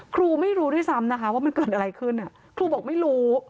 ครูไม่รู้ด้วยซ้ำนะคะว่ามันเกิดอะไรขึ้นครูบอกไม่รู้